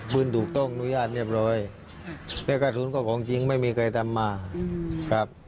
ปืนถูกต้องอนุญาตเรียบร้อยและกระสุนก็ของจริงไม่มีใครทำมาครับ